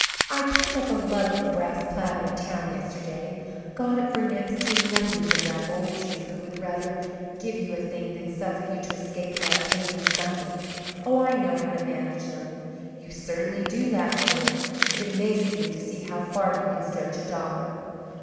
I picked up a love of a brass platter in town yesterday got it for next to nothing from that old Jew who would really rather give you a thing than suffer you to escape without taking something. Oh, I know how to manage them." "You certainly do," laughed Willard. "It amazes me to see how far you can stretch a dollar."